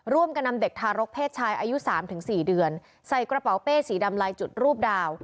ร่วมกันนำเด็กทารกเพศชายอายุ๓๔เดือนใส่กระเป๋าเป้สีดำลายจุดรูปดาว